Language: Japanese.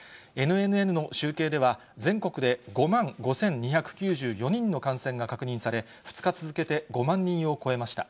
ＮＮＮの集計では、全国で５万５２９４人の感染が確認され、２日続けて５万人を超えました。